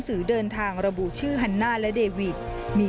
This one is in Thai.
สุดท้ายสุดท้ายสุดท้าย